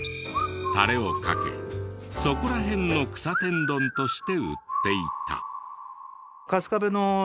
タレをかけそこらへんの草天丼として売っていた。